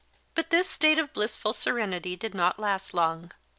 But this state of blissful serenity did not last long.